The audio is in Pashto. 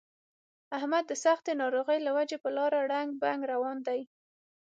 احمد د سختې ناروغۍ له وجې په لاره ړنګ بنګ روان دی.